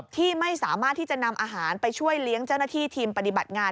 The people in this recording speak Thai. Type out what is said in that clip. ที่ไม่สามารถที่จะนำอาหารไปช่วยเลี้ยงเจ้าหน้าที่ทีมปฏิบัติงาน